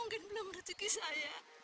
mungkin belum rejeki saya